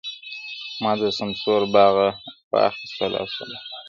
ما د سمسوره باغه واخیسته لاسونه،